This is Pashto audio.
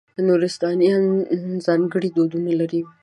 نورستانیان ځانګړي دودونه لري.